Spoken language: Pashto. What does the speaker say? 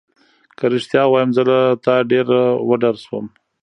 که رښتیا ووایم زه له تا ډېره وډاره شوم.